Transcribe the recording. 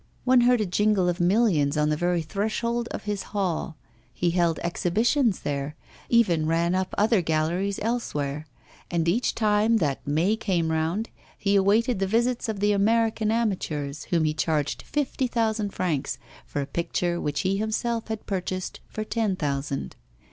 One heard a jingle of millions on the very threshold of his hall; he held exhibitions there, even ran up other galleries elsewhere; and each time that May came round, he awaited the visits of the American amateurs whom he charged fifty thousand francs for a picture which he himself had purchased for ten thousand.